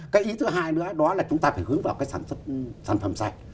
cái ý thứ hai nữa đó là chúng ta phải hướng vào cái sản xuất sản phẩm sạch